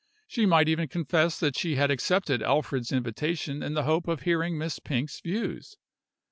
She might even confess that she had accepted Alfred's invitation in the hope of hearing Miss Pink's views.